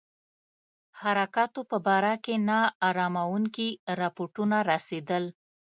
حرکاتو په باره کې نا اراموونکي رپوټونه رسېدل.